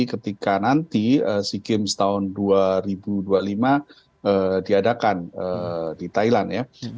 ketika nanti sikim tahun dua ribu dua puluh lima diadakan di thailand